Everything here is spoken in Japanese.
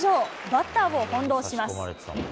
バッターを翻弄します。